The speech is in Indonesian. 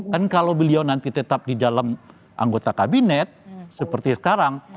kan kalau beliau nanti tetap di dalam anggota kabinet seperti sekarang